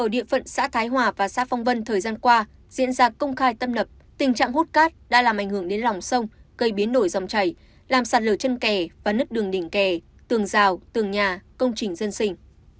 đã làm ảnh hưởng đến lòng sông cây biến nổi dòng chảy làm sạt lửa chân kè và nứt đường đỉnh kè tường rào tường nhà công trình dân sinh